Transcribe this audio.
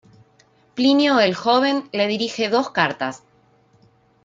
Plinio el Joven le dirige dos cartas.